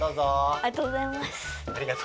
ありがとうございます。